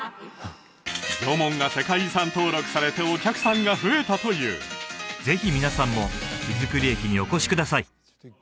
縄文が世界遺産登録されてお客さんが増えたというぜひ皆さんも木造駅にお越しください